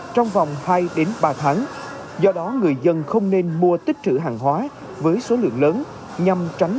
trong vòng hai ba tháng do đó người dân không nên mua tích trữ hàng hóa với số lượng lớn nhằm tránh